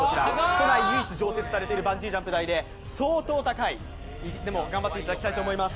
都内唯一常設されているバンジージャンプ台で相当高い、でも頑張っていただきたいと思います。